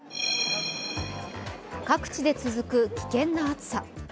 各地で続く危険な暑さ。